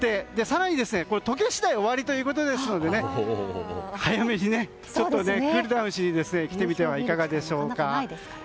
更に溶け次第終わりということですので早めにクールダウンしに来てみてはいかがでしょうか。